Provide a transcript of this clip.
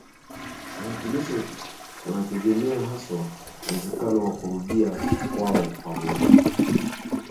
kwa hitimisho kunategemea haswa uwezekano wa kurudia kwao pamoja